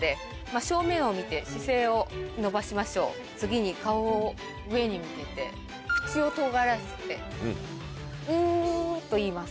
正面を見て姿勢を伸ばしましょう次に顔を上に向けて口をとがらせて「ウー」と言います。